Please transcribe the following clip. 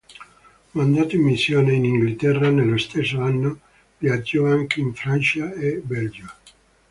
Mandato in missione in Inghilterra nello stesso anno, viaggiò anche in Francia e Belgio.